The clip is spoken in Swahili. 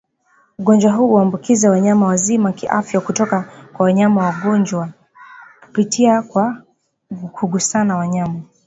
Ugonjwa huu huambukiza wanyama wazima kiafya kutoka kwa wanyama wagonjwa kupitia kwa kugusana Wanyama